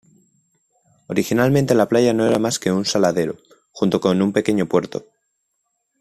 Originalmente la playa no era más que un saladero, junto con un pequeño puerto.